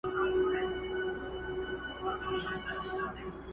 o تر باغ ئې مورۍ لو ده!